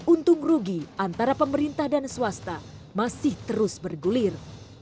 untung rugi antara pemerintah dan swasta masih terus bergulir